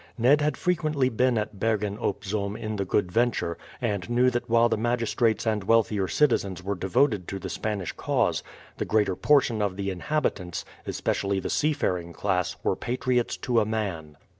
Ned had frequently been at Bergen op Zoom in the Good Venture, and knew that while the magistrates and wealthier citizens were devoted to the Spanish cause the greater portion of the inhabitants, especially the seafaring class, were patriots to a man.